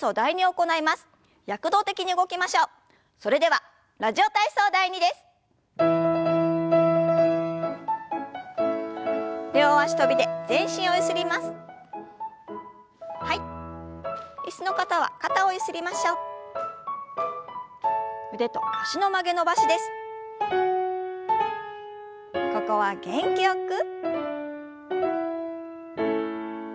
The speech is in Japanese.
ここは元気よく。